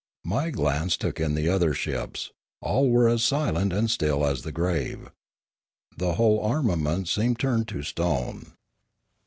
My glance took in the other ships; all were as silent and still as the grave. The whole armament seemed turned to stone.